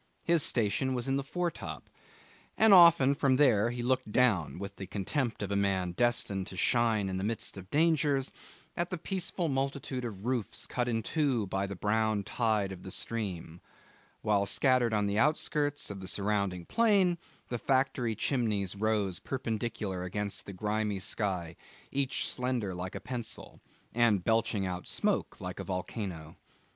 His station was in the fore top, and often from there he looked down, with the contempt of a man destined to shine in the midst of dangers, at the peaceful multitude of roofs cut in two by the brown tide of the stream, while scattered on the outskirts of the surrounding plain the factory chimneys rose perpendicular against a grimy sky, each slender like a pencil, and belching out smoke like a volcano.